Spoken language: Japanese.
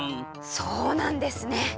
そうなんですね！